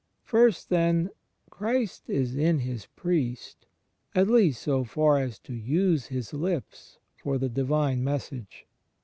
First, then, Christ is in His priest, at least so far as to use his lips for the Divine message.